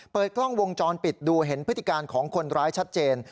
เปิดกล้องวงจรปิดดูเห็นพฤติการของคนร้ายชัดเจน